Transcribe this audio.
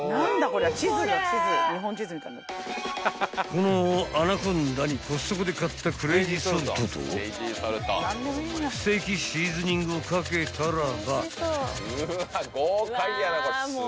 ［このアナコンダにコストコで買ったクレイジーソルトとステーキシーズニングをかけたらば］